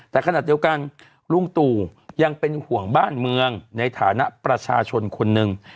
แต่ขณะเดียวกันลุงตู่ยังเป็นห่วงบ้านเมืองในฐานะประชาชนคนหนึ่ง